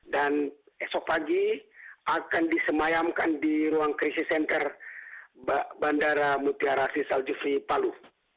dan besok pagi akan disemayamkan di ruang krisis senter bandara mutiarasi saljufri palu